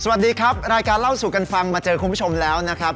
สวัสดีครับรายการเล่าสู่กันฟังมาเจอคุณผู้ชมแล้วนะครับ